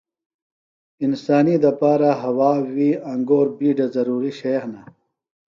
انسانی دپارہ ہوا، وی، انگور بِیڈہ ضروری شئیہ ہِنہ۔